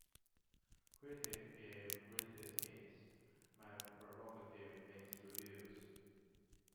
Critics gave "Greatest Hits: My Prerogative" mixed reviews.